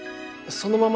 そのまま。